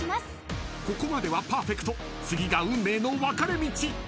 ［ここまではパーフェクト次が運命の分かれ道］